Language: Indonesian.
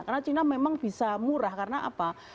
karena china memang bisa murah karena apa